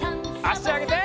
あしあげて。